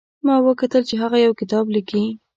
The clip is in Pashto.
ما وکتل چې هغه یو کتاب لیکي